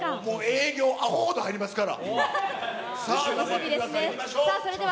もう営業、あほほど入りますから。